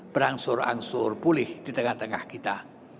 berangsur angsur pulih di tengah tengah kita